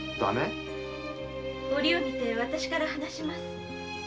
折を見て私から話します。